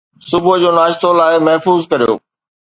صبح جو ناشتو لاء محفوظ ڪريو